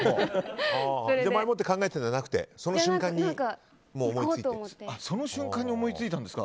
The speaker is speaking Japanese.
前もって考えてたんじゃなくてその瞬間に思い付いて。